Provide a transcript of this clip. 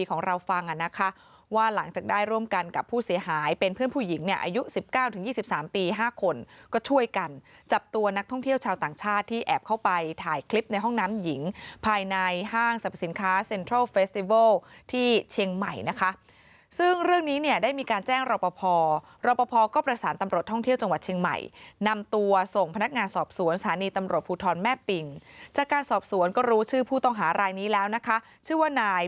ของเราฟังนะคะว่าหลังจากได้ร่วมกันกับผู้เสียหายเป็นเพื่อนผู้หญิงเนี่ยอายุ๑๙ถึง๒๓ปี๕คนก็ช่วยกันจับตัวนักท่องเที่ยวชาวต่างชาติที่แอบเข้าไปถ่ายคลิปในห้องน้ำหญิงภายในห้างสรรพสินค้าเซ็นทรัลเฟสติเวิลที่เชียงใหม่นะคะซึ่งเรื่องนี้เนี่ยได้มีการแจ้งรอบประพอบ์รอบประพอบ์ก็ประสาน